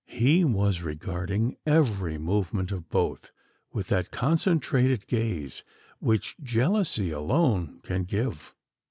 He was regarding every movement of both with that keen concentrated gaze, which jealousy alone can give.